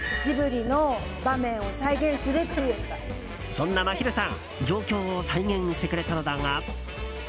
そんな、まひるさん状況を再現してくれたのだが。